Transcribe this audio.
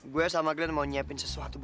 gue sama glenn mau nyiapin sesuatu